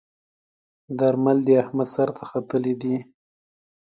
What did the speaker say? درمل د احمد سر ته ختلي ديی.